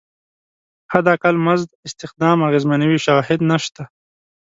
حداقل مزد استخدام اغېزمنوي شواهد نشته.